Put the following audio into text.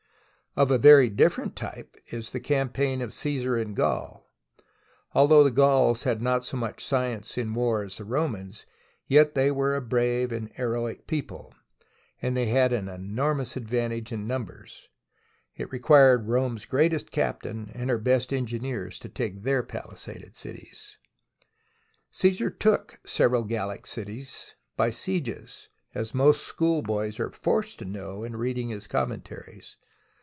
Of a very different type is the campaign of Caesar in Gaul. Although the Gauls had not so much science in war as the Romans, yet they were a brave and heroic people, they had an enormous advantage in numbers, and it required Rome's greatest cap tain and her best engineers to take their palisaded cities. Caesar took several Gallic cities by sieges, as most schoolboys are forced to know in reading his Com mentaries.